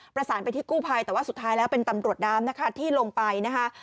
ประสานไปที่กู้ภัยแต่ว่าสุดท้ายแล้วเป็นตำรวจน้ำนะคะที่ลงไปนะคะ